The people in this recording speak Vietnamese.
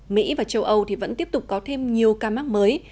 mỹ và châu âu thì vẫn tiếp tục có thêm nhiều ca mắc mới